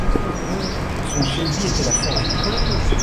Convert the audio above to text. Son chez-lui était la forêt.